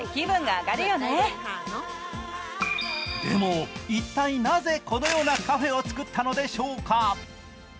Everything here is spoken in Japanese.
でも一体なぜ、このようなカフェを作ったのでしょうか。